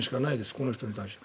この人に対して。